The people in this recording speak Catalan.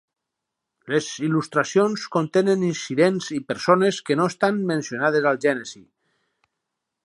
Les il·lustracions contenen incidents i persones que no estan mencionades al Gènesi.